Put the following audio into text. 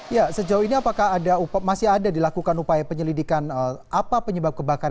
ya sejauh ini apakah masih ada dilakukan upaya penyelidikan apa penyebab kebakaran